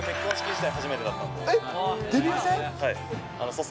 僕、デビュー戦？